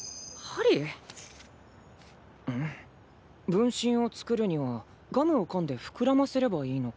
分身を作るにはガムをかんで膨らませればいいのか。